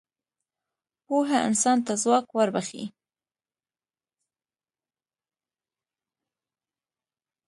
پوهه انسان ته ځواک وربخښي.